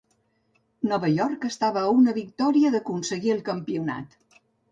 Nova York estava a una victòria d'aconseguir el campionat.